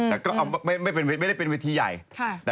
เรียกเรียกเรียก